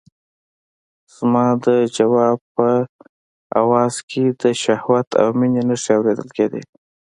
زما د ځواب په آواز کې د شهوت او مينې نښې اورېدل کېدې.